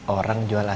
orang jual asin dena'i